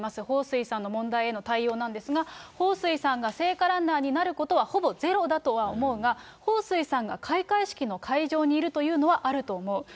彭帥さんの問題への対応なんですが、彭帥さんが聖火ランナーになることは、ほぼゼロだとは思うが、彭帥さんが開会式の会場にいるというのはあると思う。